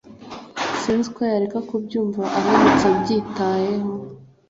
Sinziko yareka kubyumva aramutse abyitayeho